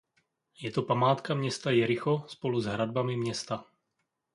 Je to památka města Jericho spolu s hradbami města.